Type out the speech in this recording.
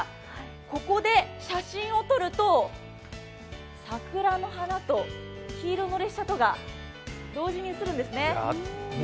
ここで写真を撮ると桜の花と黄色の列車とが同時にんですね。